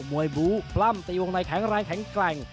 บรูพล่ำตีวงในแข็งแรงแข็งแกร่ง